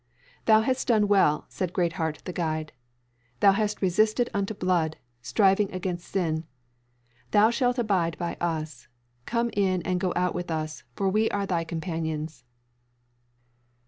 "Thou hast done well," said Greatheart the guide. "Thou hast resisted unto blood, striving against sin. Thou shalt abide by us, come in and go out with us, for we are thy companions."